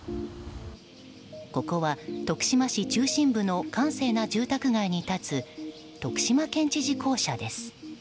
ここは徳島市中心部の閑静な住宅街に立つ徳島県知事公舎です。